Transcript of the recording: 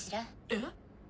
えっ？